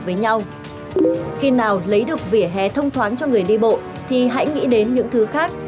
khi nào lấy được vỉa hè thông thoáng cho người đi bộ thì hãy nghĩ đến những thứ khác